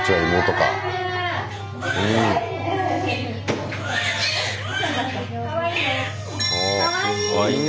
かわいい！